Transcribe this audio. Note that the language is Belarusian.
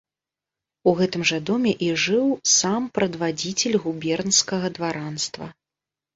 У гэтым жа доме і жыў сам прадвадзіцель губернскага дваранства.